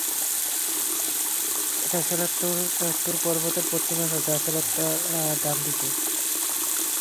এটা ছিল তূর পর্বতের পশ্চিমাংশ যা ছিল তার ডান দিকে।